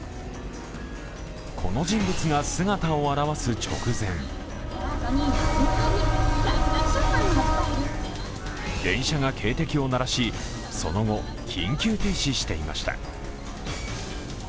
この人物が姿を現す直前電車が警笛を鳴らしその後、緊急停止していました。